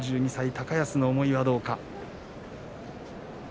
３２歳、高安の思いはどうか。